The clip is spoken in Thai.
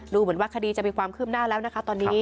ดูเหมือนว่าคดีจะมีความคืบหน้าแล้วนะคะตอนนี้